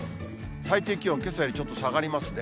最低気温、けさよりちょっと下がりますね。